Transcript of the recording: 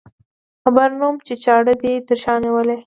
خبر نه وم چې چاړه دې تر شا نیولې.